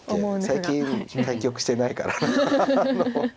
最近対局してないから。